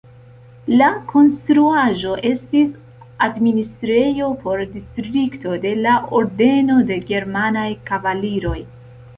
La konstruaĵo estis administrejo por distrikto de la Ordeno de germanaj kavaliroj.